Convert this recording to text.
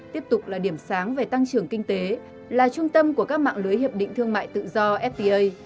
tiếp tục là điểm sáng về tăng trưởng kinh tế là trung tâm của các mạng lưới hiệp định thương mại tự do fpa